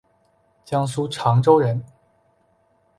江苏长洲人。